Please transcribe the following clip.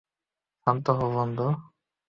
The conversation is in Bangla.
শান্ত হও, বন্ধু।